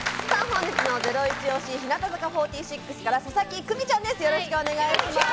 本日のゼロイチ推し、日向坂４６から佐々木久美ちゃんです。